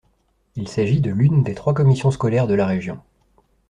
Il s'agit de l'une des trois commissions scolaires de la région.